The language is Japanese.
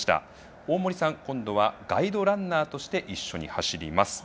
大森さん、今度はガイドランナーとして一緒に走ります。